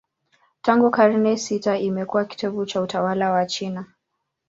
Tangu karne sita imekuwa kitovu cha utawala wa China.